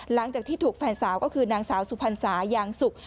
หลังจากที่ถูกแฟนสาวก็คือนางสาวสุพรรษายางสุก